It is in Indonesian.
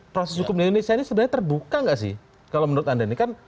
proses hukum di indonesia ini terbuka tidak